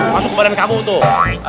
masuk ke badan kamu tuh